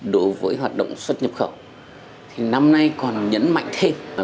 đối với hoạt động xuất nhập khẩu thì năm nay còn nhấn mạnh thêm